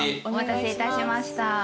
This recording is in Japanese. お待たせいたしました。